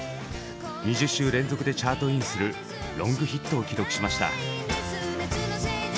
２０週連続でチャートインするロングヒットを記録しました。